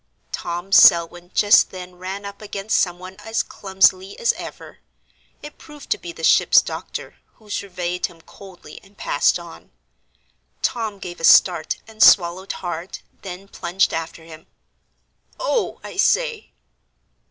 Tom Selwyn just then ran up against some one as clumsily as ever. It proved to be the ship's doctor, who surveyed him coldly and passed on. Tom gave a start and swallowed hard, then plunged after him. "Oh, I say."